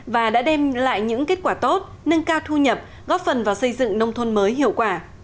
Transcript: và đã đem lại những kết quả tốt nâng cao thu nhập góp phần vào xây dựng nông thôn mới hiệu quả